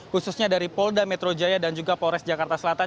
khususnya dari polda metro jaya dan juga polres jakarta selatan